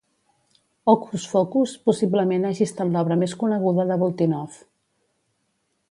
"Hocus-Focus" possiblement hagi estat l'obra més coneguda de Boltinoff.